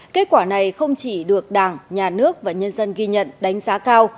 kết quả này không chỉ được đảng nhà nước và nhân dân ghi nhận đánh giá cao